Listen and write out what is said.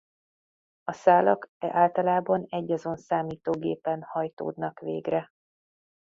A szálak általában egyazon számítógépen hajtódnak végre.